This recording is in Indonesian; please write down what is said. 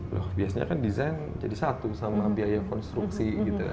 loh biasanya kan desain jadi satu sama biaya konstruksi gitu